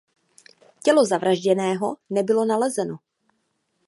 Tělo zavražděného nebylo nalezeno.